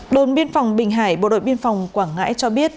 đồn biên phòng bình hải bộ đội biên phòng quảng ngãi cho biết